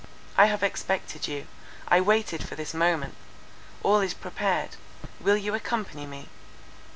I have expected you. I waited for this moment; all is prepared;—will you accompany me?"